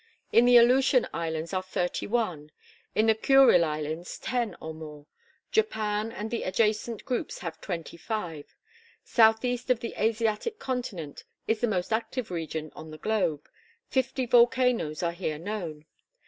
In the Aleutian Islands are thirty one; in the Kurile Isles, ten or more; Japan and the adjacent groups have twenty five. Southeast of the Asiatic continent is the most active region on the globe. Fifty volcanoes are here known.